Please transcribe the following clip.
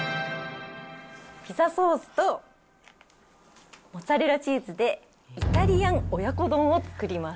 ピザソースとモッツァレラチーズでイタリアン親子丼を作ります。